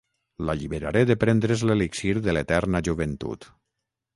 L'alliberaré de prendre's l'elixir de l'eterna joventut.